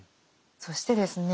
そしてですね